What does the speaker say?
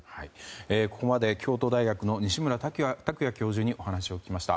ここまで京都大学の西村卓也教授にお話を聞きました。